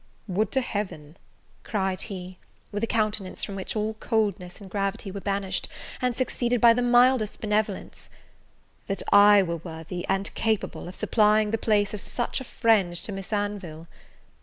"Would to Heaven," cried he, with a countenance from which all coldness and gravity were banished, and succeeded by the mildest benevolence, "that I were worthy, and capable, of supplying the place of such a friend to Miss Anville!"